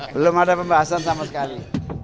belum ada pembahasan sama sekali